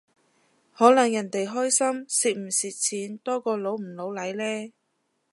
可能人哋關心蝕唔蝕錢多過老唔老嚟呢？